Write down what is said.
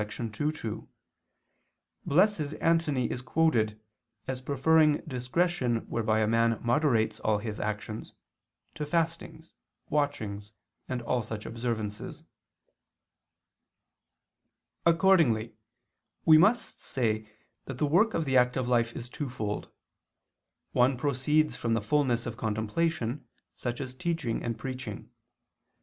ii, 2) Blessed Antony is quoted, as preferring discretion whereby a man moderates all his actions, to fastings, watchings, and all such observances. Accordingly we must say that the work of the active life is twofold. one proceeds from the fulness of contemplation, such as teaching and preaching.